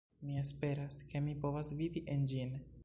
Mi esperas, ke mi povas vidi en ĝin